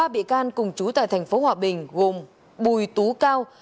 ba bị can cùng chú tại thành phố hòa bình gồm bùi tú cao